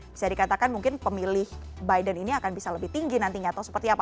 bisa dikatakan mungkin pemilih biden ini akan bisa lebih tinggi nantinya atau seperti apa